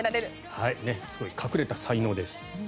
すごい隠れた才能です。